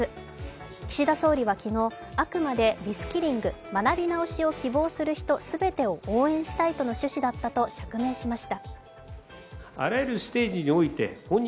岸田総理は昨日、あくまでリスキリング＝学び直しを希望する人全て応援したいとの趣旨だったと釈明しました。